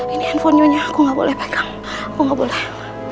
ini handphonenya aku gak boleh pegang aku gak boleh